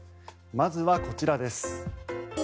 まずはこちらです。